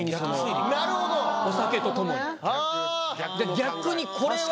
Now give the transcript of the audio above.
逆にこれは。